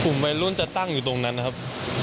วัยรุ่นจะตั้งอยู่ตรงนั้นนะครับ